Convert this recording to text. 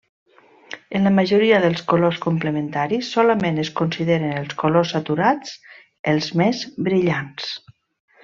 En la majoria dels colors complementaris, solament es consideren els colors saturats, els més brillants.